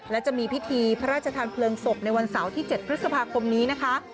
และจะมีพิธีพระราชทานเพลิงศพในวันเสาร์ที่๗พฤษภาคมนี้นะคะ